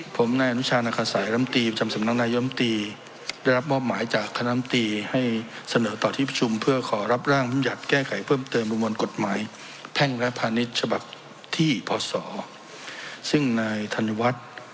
ผมนายอนุชานาคาสายลำตรีประจำสำน้ำนายยลำตรีได้รับบ้อบหมายจากคณลำตรีให้เสน่อต่อที่ประชุมเพื่อขอรับร่างพึ่งหยัดแก้ไขเพิ่มเติมรุมวลกฎหมายแท่งและพาณิตฉบักที่พอศรซึ่งนายธั